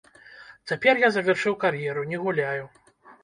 Цяпер я завяршыў кар'еру, не гуляю.